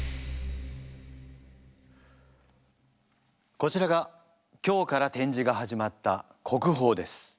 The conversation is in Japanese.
こちらが今日から展示が始まった国宝です。